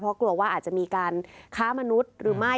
เพราะกลัวว่าอาจจะมีการค้ามนุษย์หรือไม่